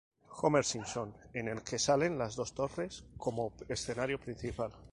Homer Simpson", en el que salen las dos torres como escenario principal.